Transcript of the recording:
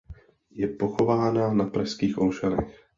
Je pochována na pražských Olšanech.